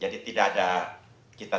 jadi tidak ada kita tidak ditolak